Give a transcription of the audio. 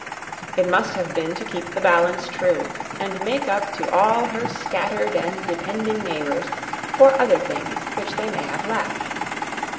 It must have been to keep the balance true, and make up to all her scattered and depending neighbors for other things which they may have lacked.